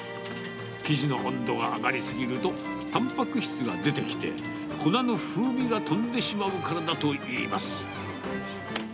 生地の温度が上がり過ぎると、たんぱく質が出てきて、粉の風味が飛んでしまうからだといいます。